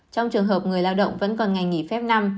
trong trường hợp người lao động vẫn còn ngày nghỉ phép năm